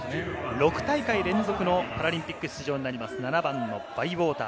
６大会連続のパラリンピック出場になります、７番のバイウォーター。